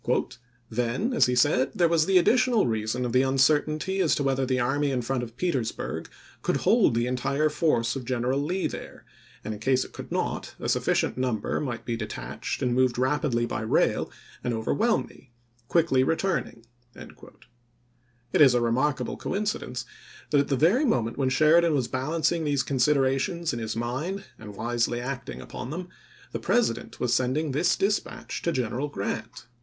" Then," as he said, " there was the additional reason of the uncertainty as to whether the army in front of Petersburg could hold the entire force Report of General Lee there, and, in case it could not, a ^n°c^duecet sufficient number might be detached and moved ofi865 66.ar' rapidly by rail and overwhelm me, quickly return St? ing." It is a remarkable coincidence that at the p •' very moment when Sheridan was balancing these considerations in his mind and wisely acting upon them, the President was sending this dispatch to General Grant.